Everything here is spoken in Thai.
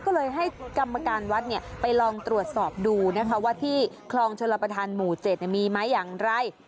ก็เลยให้กรรมการวัดไปลองตรวจสอบดูนะคะว่าที่คลองชลประธานหมู่๗มีไหมอย่างไร